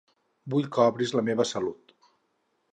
Vull que obris La Meva Salut.